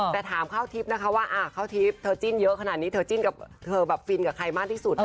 แต่ถามเข้าทิพย์นะคะว่าข้าวทิพย์เธอจิ้นเยอะขนาดนี้เธอจิ้นกับเธอแบบฟินกับใครมากที่สุด